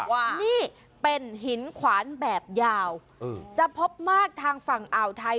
ว่านี่เป็นหินขวานแบบยาวจะพบมากทางฝั่งอ่าวไทย